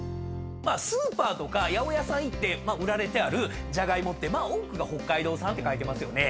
スーパー八百屋さん行って売られてあるじゃがいもって多くが北海道産と書いてますよね